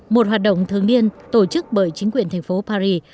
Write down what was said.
một hoạt động thường niên tổ chức bởi chính quyền thành phố paris